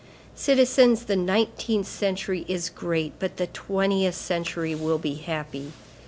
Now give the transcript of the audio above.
Citizens, the nineteenth century is great, but the twentieth century will be happy.